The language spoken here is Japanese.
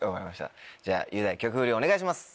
じゃあ雄大曲フリお願いします。